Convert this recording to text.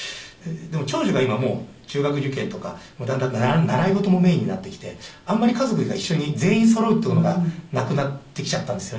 でも長女が今もう中学受験とかだんだん習い事もメインになってきてあんまり家族が一緒に全員そろうっていうのがなくなってきちゃったんですよね。